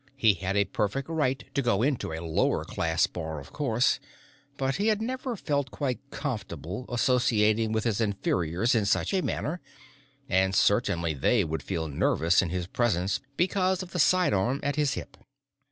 He had a perfect right to go into a lower class bar, of course, but he had never felt quite comfortable associating with his inferiors in such a manner, and certainly they would feel nervous in his presence because of the sidearm at his hip.